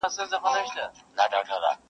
غوجله لا هم خاموشه ده ډېر,